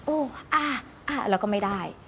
โอ้อ่าอ่าแล้วก็ไม่ได้